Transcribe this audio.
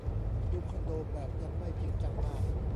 ดูคอนโด แบบยังไม่จริงจังมาก